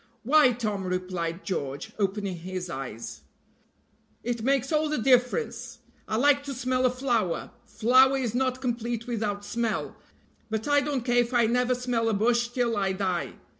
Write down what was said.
"Why, Tom," replied George, opening his eyes, "it makes all the difference. I like to smell a flower flower is not complete without smell but I don't care if I never smell a bush till I die.